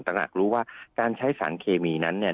ตระหนักรู้ว่าการใช้สารเคมีนั้นเนี่ย